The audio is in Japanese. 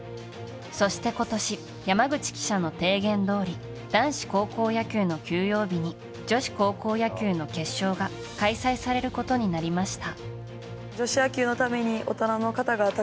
そして今年山口記者の提言どおり男子高校野球の休養日に女子高校野球の決勝が開催されることになりました。